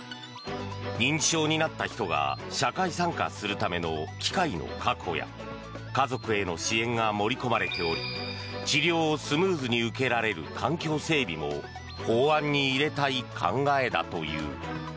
認知症になった人が社会参加するための機会の確保や家族への支援が盛り込まれており治療をスムーズに受けられる環境整備も法案に入れたい考えだという。